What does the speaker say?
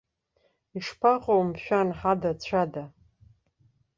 Ишԥаҟоу, мшәан, ҳада, ҵәада!